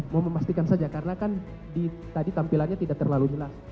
mau memastikan saja karena kan tadi tampilannya tidak terlalu jelas